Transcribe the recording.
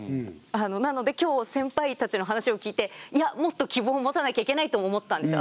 なので今日先輩たちの話を聞いていやもっと希望を持たなきゃいけないとも思ったんですよ。